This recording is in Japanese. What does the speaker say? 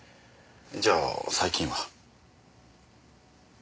じゃあ最近は？